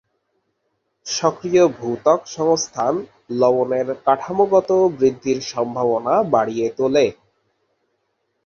সক্রিয় ভূত্বক সংস্থান লবণের কাঠামোগত বৃদ্ধির সম্ভাবনা বাড়িয়ে তোলে।